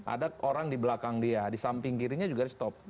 ada orang di belakang dia di samping kirinya juga di stop